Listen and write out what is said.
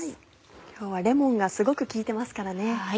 今日はレモンがすごく効いてますからね。